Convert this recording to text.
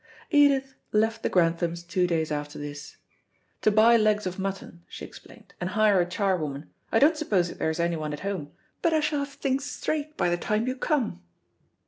Edith left the Granthams two days after this, "to buy legs of mutton," she explained, "and hire a charwoman. I don't suppose there's anyone at home. But I shall have things straight by the time you come."